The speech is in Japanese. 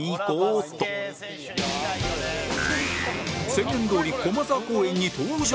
宣言どおり駒沢公園に登場！